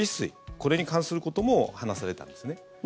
これに関することも話されたんですね。